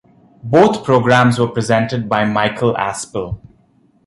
Both programmes were presented by Michael Aspel.